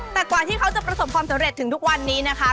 แต่กว่าที่เขาจะประสบความสำเร็จถึงทุกวันนี้นะคะ